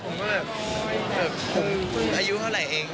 ผมก็แบบอายุเขาไหล่เอง